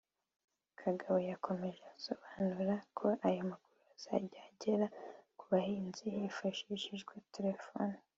Kagabo yakomeje asobanura ko aya makuru azajya agera ku bahinzi hifashishijwe telefoni